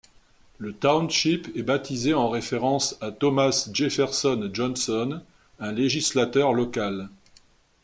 Le township est baptisé en référence à Thomas Jefferson Johnson, un législateur local.